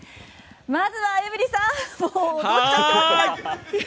まずはエブリンさん踊っちゃってますが。